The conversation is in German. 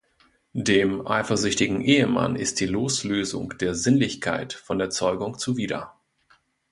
Dem eifersüchtigen Ehemann ist die Loslösung der Sinnlichkeit von der Zeugung zuwider.